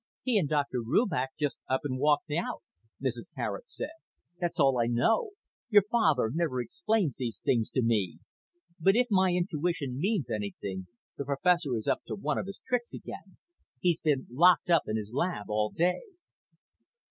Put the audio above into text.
"He and Dr. Rubach just up and walked out," Mrs. Garet said. "That's all I know. Your father never explains these things to me. But if my intuition means anything, the professor is up to one of his tricks again. He's been locked up in his lab all day."